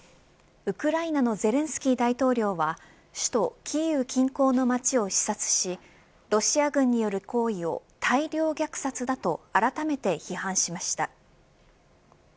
ウクライナのゼレンスキー大統領は首都キーウ近郊の街を視察しロシア軍による行為を大量虐殺だとあらためて批判しました。